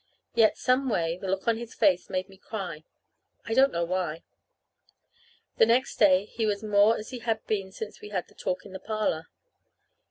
Yet, some way, the look on his face made me cry. I don't know why. The next day he was more as he has been since we had that talk in the parlor.